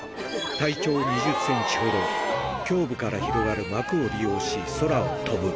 体長２０センチほど、胸部から広がる膜を利用し、空を飛ぶ。